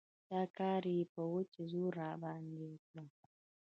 دا کار يې په وچ زور راباندې وکړ.